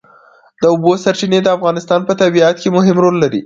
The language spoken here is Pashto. د اوبو سرچینې د افغانستان په طبیعت کې مهم رول لري.